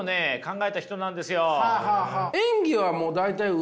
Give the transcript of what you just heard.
え！